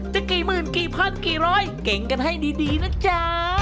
จะกี่หมื่นกี่พันกี่ร้อยเก่งกันให้ดีนะจ๊ะ